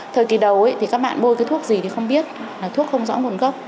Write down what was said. thời kỳ đầu thì các bạn bôi cái thuốc gì thì không biết là thuốc không rõ nguồn gốc